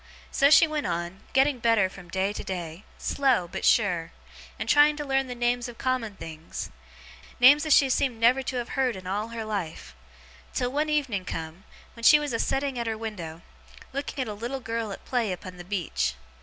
So she went on, getting better from day to day, slow, but sure, and trying to learn the names of common things names as she seemed never to have heerd in all her life till one evening come, when she was a setting at her window, looking at a little girl at play upon the beach.